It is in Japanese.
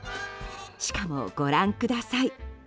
しかも、ご覧ください。